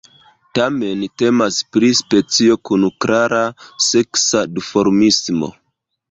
Tamen temas pri specio kun klara seksa duformismo.